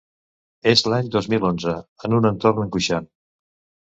És l’any dos mil onze, en un entorn angoixant.